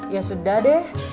ya sudah deh